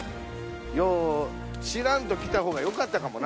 よう知らんと来たほうがよかったかもな。